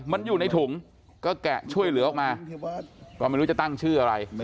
มันอยู่ในถุงก็แกะช่วยเหลือออกมาก็ไม่รู้จะตั้งชื่ออะไร